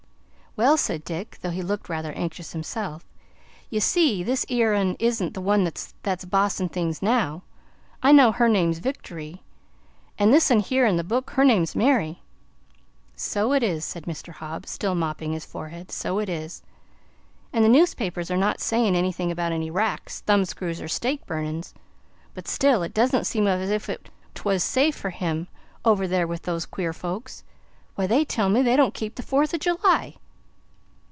"Well," said Dick, though he looked rather anxious himself; "ye see this 'ere un isn't the one that's bossin' things now. I know her name's Victory, an' this un here in the book, her name's Mary." "So it is," said Mr. Hobbs, still mopping his forehead; "so it is. An' the newspapers are not sayin' anything about any racks, thumb screws, or stake burnin's, but still it doesn't seem as if 't was safe for him over there with those queer folks. Why, they tell me they don't keep the Fourth o' July!"